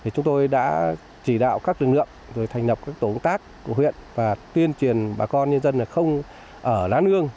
chúng tôi đã chỉ đạo các lực lượng thành lập các tổng tác của huyện và tuyên truyền bà con nhân dân không ở lá nương